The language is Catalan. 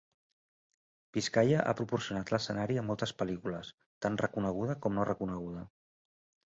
Biscaia ha proporcionat l'escenari a moltes pel·lícules, tant reconeguda com no reconeguda.